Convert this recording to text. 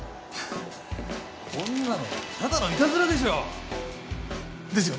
こんなのただのイタズラでしょですよね？